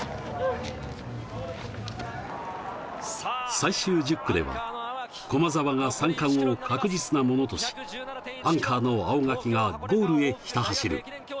最終１０区では駒澤が三冠を確実なものとし、アンカーの青学がゴールへひた走る。